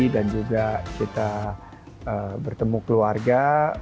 dan juga kita bertemu keluarga